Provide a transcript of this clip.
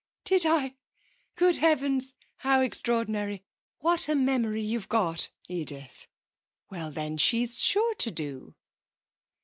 'Did I? Good heavens, how extraordinary! What a memory you've got, Edith. Well, then, she's sure to do.'